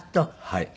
はい。